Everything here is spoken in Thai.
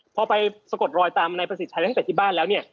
พอไปสะกดรอยตามนายประสิทธิ์ชัยแล้วให้ไปที่บ้านแล้วเนี่ย